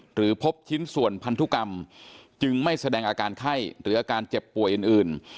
พบชิ้นส่วนพันธุกรรมจึงไม่แสดงอาการไข้หรืออาการเจ็บป่วยอื่น